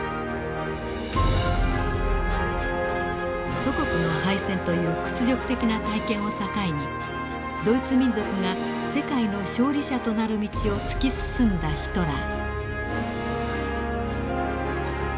祖国の敗戦という屈辱的な体験を境にドイツ民族が世界の勝利者となる道を突き進んだヒトラー。